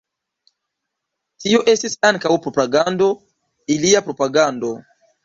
Tio estis ankaŭ propagando – ilia propagando.